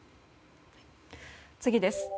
次です。